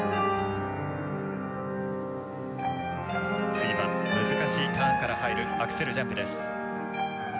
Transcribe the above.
次は難しいターンから入るアクセルジャンプです。